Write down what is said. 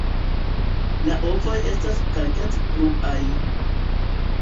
La ovoj estas kalkec-bluaj.